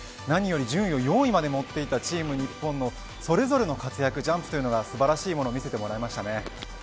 何より順位を４位までもっていったチーム日本のそれぞれの活躍、ジャンプというのが素晴らしいものを見せてもらいました。